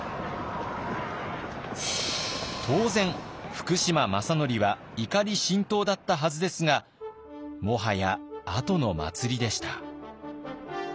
当然福島正則は怒り心頭だったはずですがもはや後の祭りでした。